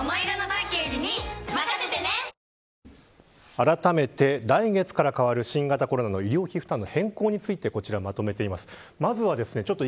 あらためて来月から変わる新型コロナの医療費負担額変更についてこちらでまとめています。